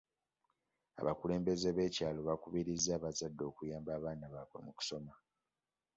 Abakulembeze b'ekyalo baakubirizza abazadde okuyamba abaana baabwe mu kusoma.